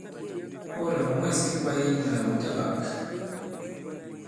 Ɓɔlà ɔ̀ mwɛ̂s ki kwāye inyūlà ɔ̀ tɔ-ɓāk.